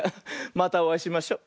またおあいしましょ。